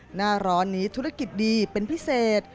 หน้าร้อนนี้ธุรกิจดีเป็นพิเศษ